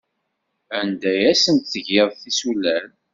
Anda ay asen-tgiḍ tisulal?